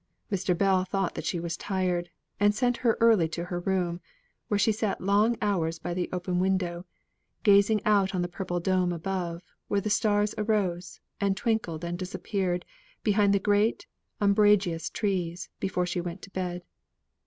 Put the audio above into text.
Mr. Bell thought that she was tired, and sent her early to her room, where she sate long hours by the open window, gazing out on the purple dome above, where the stars arose, and twinkled and disappeared behind the great umbrageous trees before she went to bed.